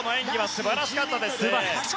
素晴らしかったです！